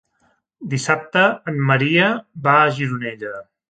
Dissabte en Maria va a Gironella.